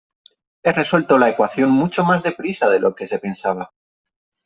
Ha resuelto la ecuación mucho más deprisa de lo que se pensaba.